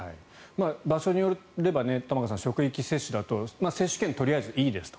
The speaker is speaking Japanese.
場所によれば職域接種だと接種券、とりあえずいいですと。